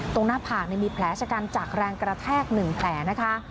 หน้าผากมีแผลชะกันจากแรงกระแทก๑แผลนะคะ